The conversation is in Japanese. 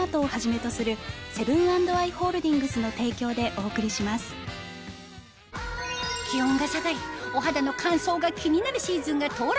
お店では気温が下がりお肌の乾燥が気になるシーズンが到来